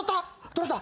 取れた。